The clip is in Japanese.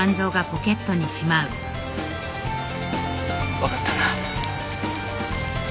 分かったな？